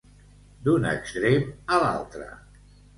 D'un extrem a l'altre.